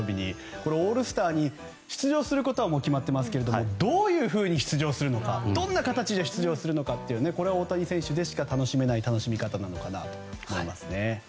オールスターに出場することは決まっていますがどういうふうに出場するのかどんな形で出場するのかこれは大谷選手でしか楽しめない楽しみ方なのかなと思います。